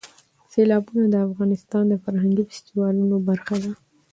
سیلابونه د افغانستان د فرهنګي فستیوالونو برخه ده.